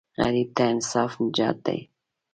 غریب ته انصاف نجات دی